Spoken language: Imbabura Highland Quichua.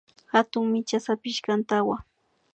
Hatun micha sapishka antawa